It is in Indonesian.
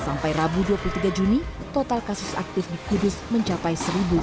sampai rabu dua puluh tiga juni total kasus aktif di kudus mencapai satu sembilan ratus lima puluh satu